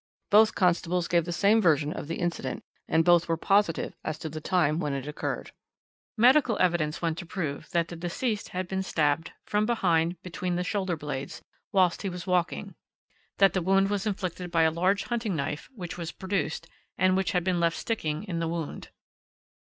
Both constables gave the same version of the incident, and both were positive as to the time when it occurred. "Medical evidence went to prove that the deceased had been stabbed from behind between the shoulder blades whilst he was walking, that the wound was inflicted by a large hunting knife, which was produced, and which had been left sticking in the wound.